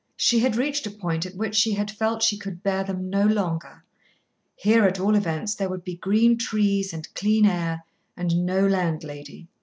She had reached a point at which she had felt she could bear them no longer. Here, at all events, there would be green trees and clear air, and no landlady.